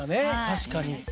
確かに。